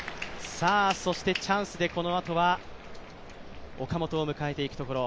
そしてチャンスでこのあとは岡本を迎えていくところ。